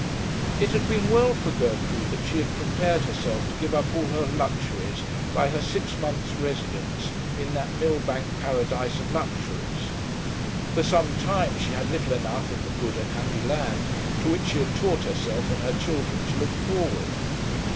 It had been well for Gertrude that she had prepared herself to give up all her luxuries by her six months' residence in that Millbank Paradise of luxuries: for some time she had little enough in the 'good and happy land,' to which she had taught herself and her children to look forward.